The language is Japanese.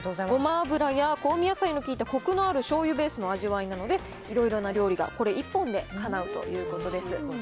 ごま油や香味野菜の効いたこくのあるしょうゆベースの味わいなので、いろいろな料理がこれ一本でかなうということです。